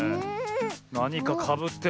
なにかかぶってますよ